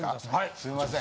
すいません。